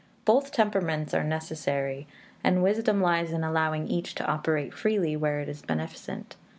Both temperaments are necessary, and wisdom lies in allowing each to operate freely where it is beneficent.